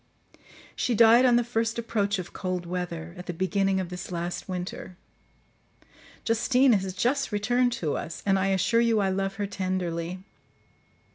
She died on the first approach of cold weather, at the beginning of this last winter. Justine has just returned to us; and I assure you I love her tenderly.